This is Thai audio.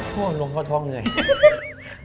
ท่วมหนิงก็ท่วมนึง